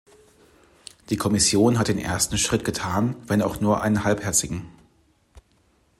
Die Kommission hat den ersten Schritt getan, wenn auch nur einen halbherzigen.